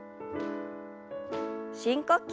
深呼吸。